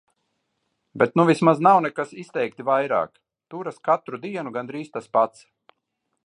Bet nu vismaz nav nekas izteikti vairāk. Turas katru dienu gandrīz tas pats.